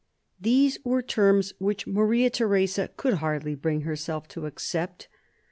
These were terms which Maria Theresa could hardly bring herself to accept.